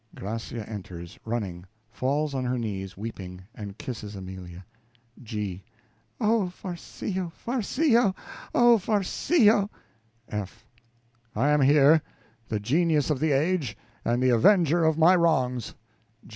(Gracia enters running, falls on her knees weeping, and kisses Amelia.) G. Oh, Farcillo, Farcillo! oh, Farcillo! F. I am here, the genius of the age, and the avenger of my wrongs.